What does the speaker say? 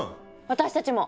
私たちも！